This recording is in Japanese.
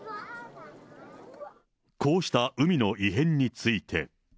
こうした海の異変について。